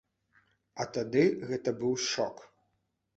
А тады гэта быў шок.